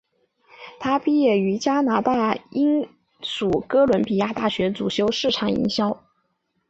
她毕业于加拿大英属哥伦比亚大学主修市场营销。